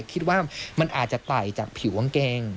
คิดว่ามันอาจจะไต่จากผิวกางเกง